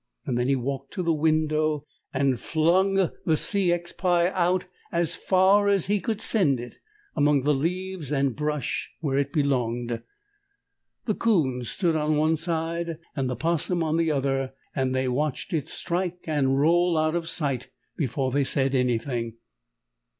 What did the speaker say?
Then he walked to the window and flung the C. X. pie out as far as he could send it among the leaves and brush, where it belonged. The 'Coon stood on one side and the 'Possum on the other, and they watched it strike and roll out of sight before they said anything.